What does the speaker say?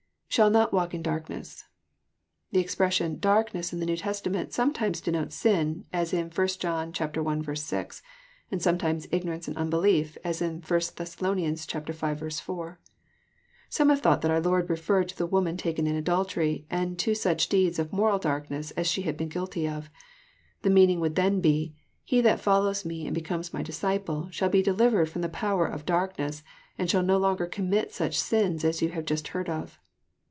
[^Shall not toalk in darkness.'] The expression " darkness" in the New Testament sometimes denotes sin, as 1 John i. 6, and sometimes Ignorance and unbelief, as 1 Tliess. v. 4. Some have thought that our Lord referred to the woman taken In adultery, and to such deeds of moral darkness as she had been guilty of. The meaning would then be, — "He that follows Me and be comes my disciple, shall be delivered fk*om the power of dark ness, and shall no longer commit such sins as you have just heard of."